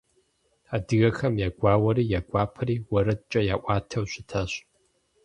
Адыгэхэм я гуауэри, я гуапэри уэрэдкӀэ яӀуатэу щытащ.